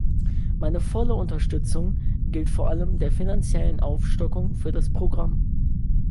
Meine volle Unterstützung gilt vor allem der finanziellen Aufstockung für das Programm.